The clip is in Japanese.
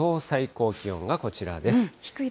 最高気温がこちらです。